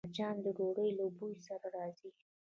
مچان د ډوډۍ له بوی سره راځي